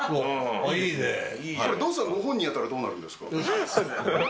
ドンさんご本人がやったらどうなるんですか？